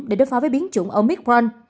để đối phó với biến chủng omicron